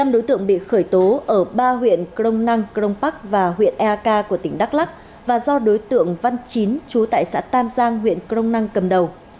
năm đối tượng bị khởi tố ở ba huyện crong năng crong park và huyện eak của tỉnh đắk lắc và do đối tượng văn chín chú tại xã tam giang huyện crong năng cầm đầu